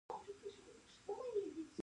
ژبه لس زره ذایقې پېژني.